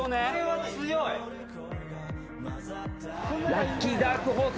ラッキーダークホース